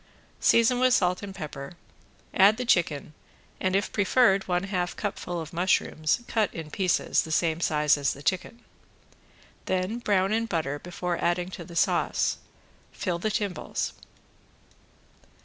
Season with salt and pepper, add the chicken and, if preferred, one half cupful of mushrooms cut in pieces the same size as the chicken. Then brown in butter before adding to the sauce. Fill the timbales.